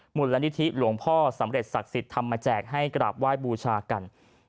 มูลนิธิหลวงพ่อสำเร็จศักดิ์สิทธิ์ทำมาแจกให้กราบไหว้บูชากัน